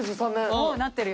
もうなってるよ